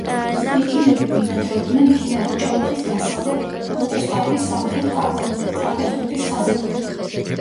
სკვითინები ბინადრობდნენ მდინარე ჭოროხის დასავლეთით, პონტოს ტავრის სამხრეთ კალთებზე, ტრაპეზუნტის ხაზამდე.